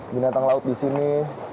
binatang laut di sini